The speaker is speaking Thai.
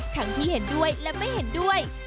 ทั้งที่เห็นด้วยและไม่เห็นด้วย